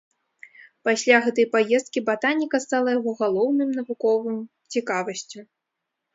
Пасля гэтай паездкі батаніка стала яго галоўным навуковым цікавасцю.